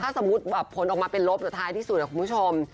ถ้าสมมุติแบบผลออกมาเป็นลบแต่ท้ายที่สุดคุณผู้ชม